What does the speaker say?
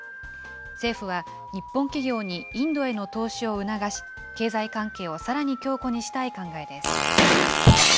政府は日本企業にインドへの投資を促し、経済関係をさらに強固にしたい考えです。